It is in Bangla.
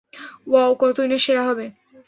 ওয়াও, কতই না সেরা হবে?